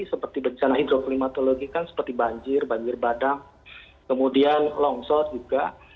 seperti bencana hidroklimatologi kan seperti banjir banjir badang kemudian longsor juga